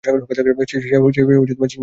সে সিংহের মতো!